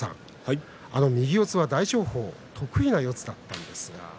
右四つは大翔鵬、得意の四つだったんですが。